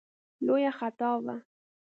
لویه خطا وه.